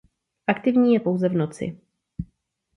Aktivní je pouze v noci.